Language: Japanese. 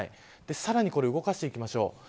さらに動かしていきましょう。